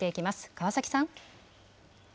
川崎さん。